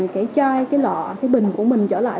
cái chai cái lọ cái bình của mình trở lại